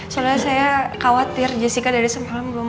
soalnya saya khawatir jessica dari semalam belum